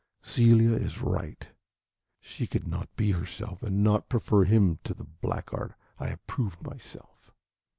Celia is right; she could not be herself and not prefer him to the blackguard I have proved myself."